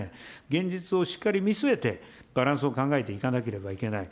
現実をしっかり見据えてバランスを考えていかなければいけない。